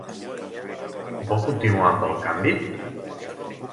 Vol continuar amb el canvi?